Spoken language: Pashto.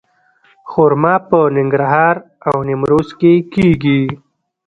خرما په ننګرهار او نیمروز کې کیږي.